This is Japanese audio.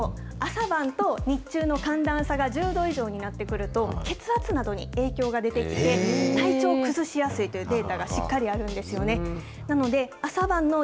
そう、朝晩と日中の寒暖差が１０度以上になってくると、血圧などに影響が出てきて、体調を崩しやすいというデータがしっかりあるんですよね。